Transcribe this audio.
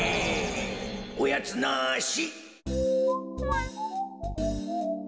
おやつなし。